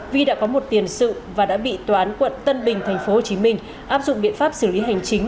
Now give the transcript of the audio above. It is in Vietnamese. vi đã có một tiền sự và đã bị tòa án quận tân bình tp hcm áp dụng biện pháp xử lý hành chính